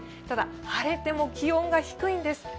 ただ、晴れても気温が低いんです。